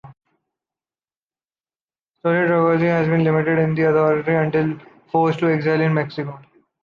Slowly Trozkij has been limited in his authority until being forced to exile in Mexico